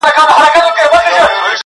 موج دي کم دریاب دي کم نهنګ دي کم!٫.